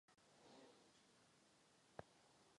Na stavbě hotelu byly použity tradiční materiály.